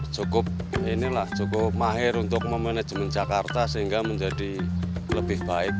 cukup inilah cukup mahir untuk memanajemen jakarta sehingga menjadi lebih baik